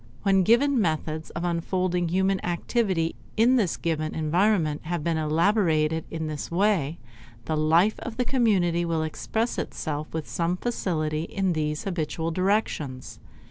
When given methods of unfolding human activity in this given environment have been elaborated in this way, the life of the community will express itself with some facility in these habitual directions.